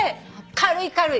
軽い軽い。